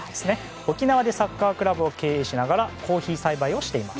沖縄でサッカークラブを経営しながらコーヒー栽培をしています。